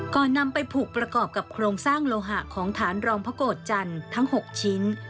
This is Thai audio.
นำไปผูกประกอบกับโครงสร้างโลหะของฐานรองพระโกรธจันทร์ทั้ง๖ชิ้น